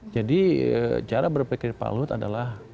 jadi cara berpikir pak luhut adalah